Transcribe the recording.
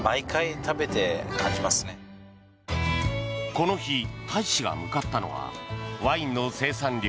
この日、大使が向かったのはワインの生産量